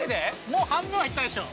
もう半分は行ったでしょ。